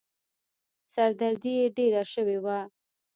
سر دردي يې ډېره شوې وه.